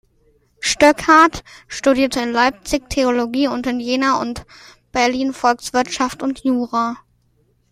Stöckhardt studierte in Leipzig Theologie und in Jena und Berlin Volkswirtschaft und Jura.